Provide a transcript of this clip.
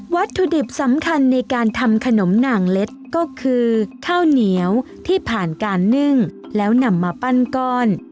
วัตถุดิบสำคัญในการทำขนมหน่างเล็ดก็คือข้าวเหนียวที่ผ่านการนึ่งแล้วนำมาปั้นก้อน